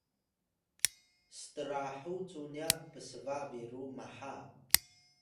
strahu cu nya psba biru maha